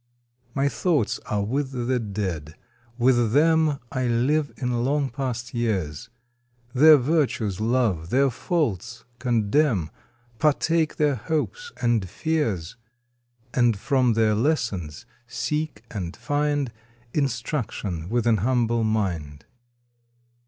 My thoughts are with the Dead, with them I live in long past years, Their virtues love, their faults condemn, Partake their hopes and fears, And from their lessons seek and find Instruction with ^n humble mind.